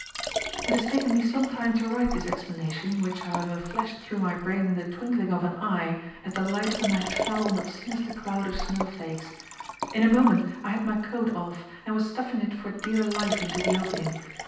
It has taken me some time to write this explanation, which, however, flashed through my brain in the twinkling of an eye as the light of the match fell on that sinister cloud of snowflakes. In a moment I had my coat off, and was stuffing it for dear life into the opening.